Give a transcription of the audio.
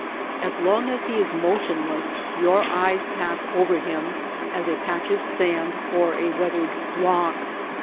As long as he is motionless your eyes pass over him as a patch of sand or a weathered rock.